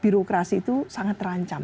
birokrasi itu sangat terancam